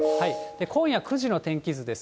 今夜９時の天気図です。